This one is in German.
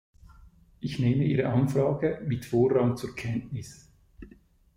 Ich nehme Ihre Anfrage mit Vorrang zur Kenntnis.